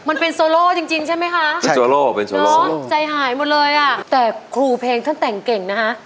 มันเป็นโซโล่จริงจริงใช่ไหมคะใจหายหมดเลยอ่ะแต่ครูเพลงท่านแต่งเก่งนะคะ